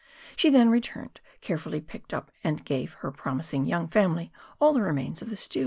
She then returned, carefully picked up and gave her promising young family all the remains of the stew.